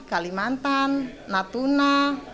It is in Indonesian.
ke kalimantan natuna